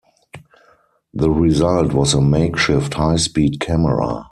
The result was a makeshift high-speed camera.